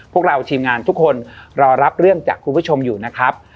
พวกเราทีมงานทุกคนรอรับเรื่องจากคุณผู้ชมอยู่นะครับ